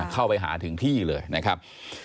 เข้าไปหาถึงที่เลยนะครับ